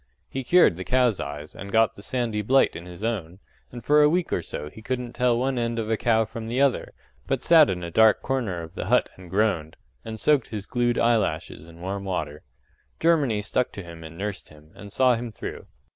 He cured the cows' eyes and got the sandy blight in his own, and for a week or so be couldn't tell one end of a cow from the other, but sat in a dark corner of the hut and groaned, and soaked his glued eyelashes in warm water. Germany stuck to him and nursed him, and saw him through.